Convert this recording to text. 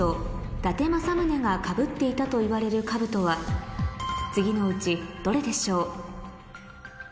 伊達政宗がかぶっていたといわれる兜は次のうちどれでしょう？